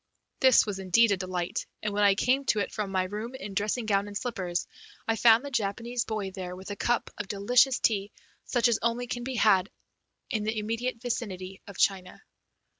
This was indeed a delight, and when I came to it from my room in dressing gown and slippers I found the Japanese boy there with a cup of delicious tea such as can be had only in the immediate vicinity of China.